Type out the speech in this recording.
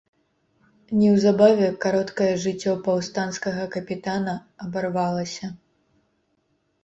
Неўзабаве кароткае жыццё паўстанцкага капітана абарвалася.